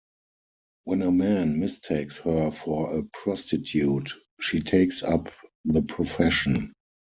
When a man mistakes her for a prostitute, she takes up the profession.